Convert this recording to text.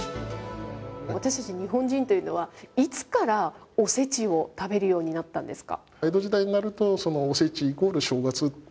私たち日本人というのは、いつからおせちを食べるようになったんですか。